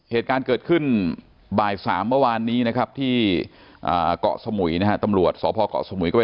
เหตุการณ์เกิดขึ้นใบสามเมื่อวานนี้นะครับที่เกาะสมุยนะฮะ